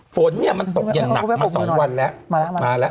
ฝนเนี่ยมันตกเย็นหนักมา๒วันแล้ว